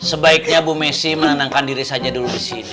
sebaiknya bu messi menenangkan diri saja dulu disini